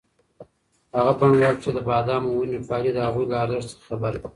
هغه بڼوال چې د بادامو ونې پالي د هغوی له ارزښت څخه خبر دی.